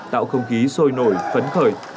tạo không khí sôi nổi phấn khởi